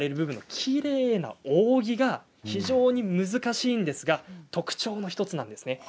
きれいな扇が非常に難しいんですが特徴の１つです。